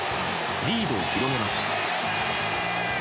リードを広げます。